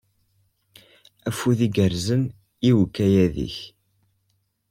Afud igerrzen i ukayad-ik.